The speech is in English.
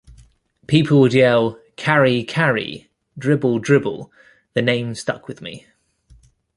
People would yell 'Kari, Kari' - dribble, dribble - the name stuck with me.